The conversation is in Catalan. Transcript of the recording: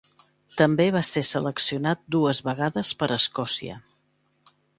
També va ser seleccionat dues vegades per Escòcia.